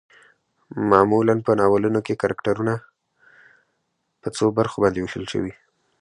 معمولا په ناولونو کې کرکترنه په څو برخو باندې ويشل شوي